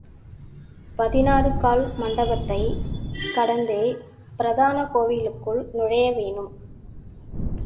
பதினாறுகால் மண்டபத்தைக் கடந்தே பிரதான கோயிலுள் நுழைய வேணும்.